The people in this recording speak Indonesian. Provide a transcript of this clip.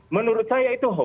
menurut saya itu hoax